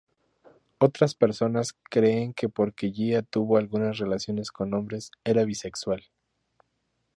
Otras personas creen que porque Gia tuvo algunas relaciones con hombres, era bisexual.